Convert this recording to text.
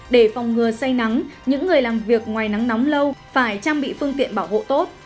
để phòng ngừa say nắng những người làm việc ngoài nắng nóng lâu phải trang bị phương tiện bảo hộ tốt